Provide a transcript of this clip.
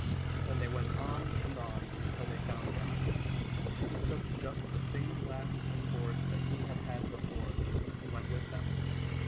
Then they went on and on until they found him, and he took just the same laths and boards that he had had before, and went with them.